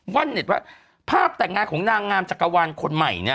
่อนเน็ตว่าภาพแต่งงานของนางงามจักรวาลคนใหม่เนี่ย